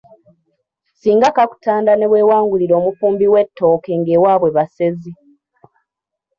Singa kakutanda ne weewangulira omufumbi w’ettooke ng’ewaabwe basezi.